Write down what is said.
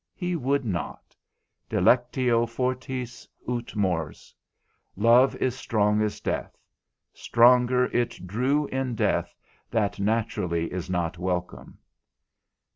he would not: Dilectio fortis ut mors, love is strong as death; stronger, it drew in death, that naturally is not welcome.